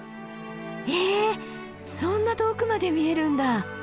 へえそんな遠くまで見えるんだ。